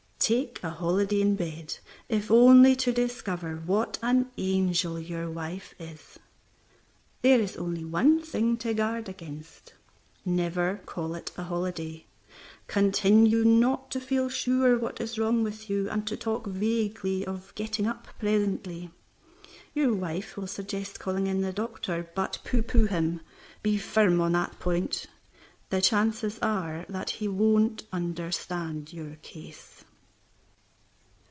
Take a holiday in bed, if only to discover what an angel your wife is. There is only one thing to guard against. Never call it a holiday. Continue not to feel sure what is wrong with you, and to talk vaguely of getting up presently. Your wife will suggest calling in the doctor, but pooh pooh him. Be firm on that point. The chances are that he won't understand your case.